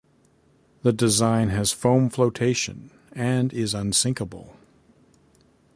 The design has foam flotation and is unsinkable.